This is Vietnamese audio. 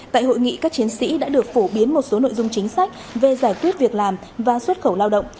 tại hội nghị các chiến sĩ đã được phổ biến một số nội dung chính sách về giải quyết việc làm và xuất khẩu lao động